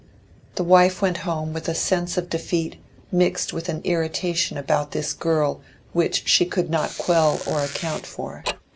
The wife went home with a sense of defeat mixed with an irritation about this girl which she could not quell or account for.